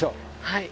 はい。